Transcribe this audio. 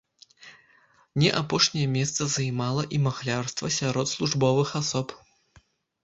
Не апошняе месца займала і махлярства сярод службовых асоб.